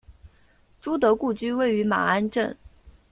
朱德故居位于马鞍镇。